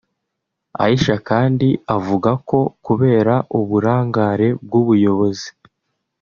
Aisha kandi avuga ko kubera uburangare bw’ubuyobozi